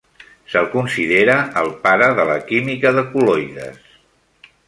Se'l considera el pare de la química de col·loides.